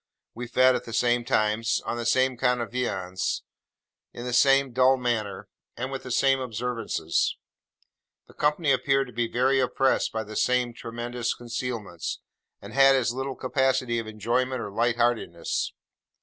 We fed at the same times, on the same kind of viands, in the same dull manner, and with the same observances. The company appeared to be oppressed by the same tremendous concealments, and had as little capacity of enjoyment or light heartedness.